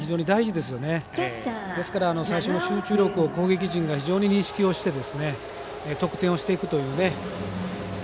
ですから集中力を攻撃陣が非常に認識をして得点をしていくというね。